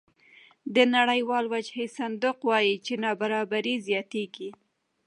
د نړیوال وجهي صندوق وایي چې نابرابري زیاتېږي